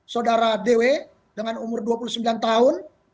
saudara dw dengan umur dua puluh sembilan tahun